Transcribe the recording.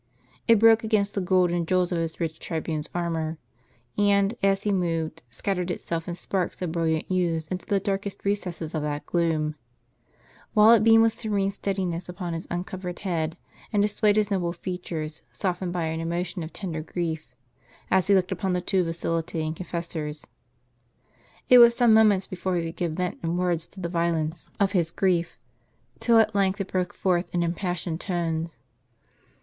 It broke against the gold and jewels of his rich tribune's armor, and, as he moved, scattered itself in sparks of brilliant hues into the darkest recesses of that gloom; while it beamed with serene steadiness upon his uncovered head, and displayed his noble features, softened by an emotion of tender grief, as he looked upon the two vacillating confessors. It was some moments before he could give vent in words to the violence of his grief, till at length it broke forth in impassioned tones.